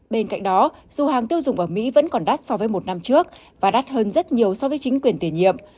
bên cạnh đó dù hàng tiêu dùng ở mỹ vẫn còn đắt so với một năm trước và đắt hơn rất nhiều so với chính quyền tiền nhiệm